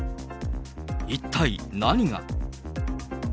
一体何が？